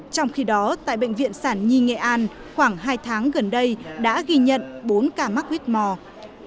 trong khi đó tại bệnh viện sản nhi nghệ an khoảng hai tháng gần đây đã ghi nhận bốn ca mắc whmore